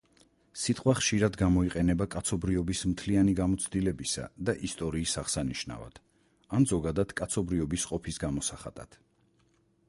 სიტყვა ხშირად გამოიყენება კაცობრიობის მთლიანი გამოცდილებისა და ისტორიის აღსანიშნავად, ან ზოგადად კაცობრიობის ყოფის გამოსახატად.